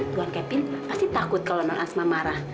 buan kevin pasti takut kalau non asma marah